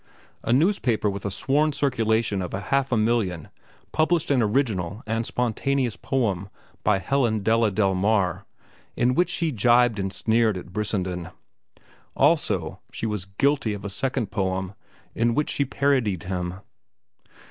A newspaper with a sworn circulation of half a million published an original and spontaneous poem by Helen Della Delmar, in which she gibed and sneered at Brissenden. Also, she was guilty of a second poem, in which she parodied him.